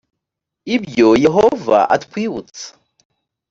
ibyo yehova atwibutsa